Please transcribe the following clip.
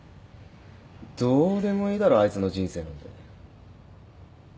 どうでもいいだろあいつの人生なんて。